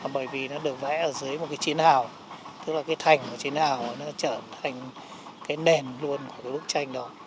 bởi vì nó được vẽ ở dưới một cái chiến hào tức là cái thành của chiến hào nó trở thành cái nền luôn của cái bức tranh đó